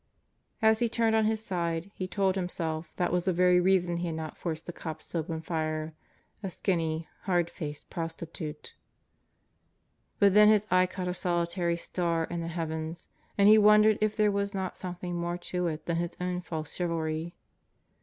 As he turned on his side he told himself that was the very reason he had not forced the cops to open fire a skinny, hard faced prostitute. But then his eye caught a solitary star in the heavens and he wondered if there was not something more to it than his own false chivalry.